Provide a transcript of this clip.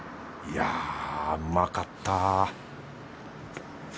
いやうまかった